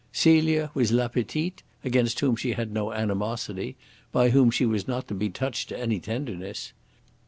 Celia was LA PETITE, against whom she had no animosity, by whom she was not to be touched to any tenderness.